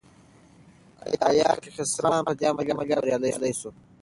ایا کیخسرو خان په دې عملیاتو کې بریالی شو؟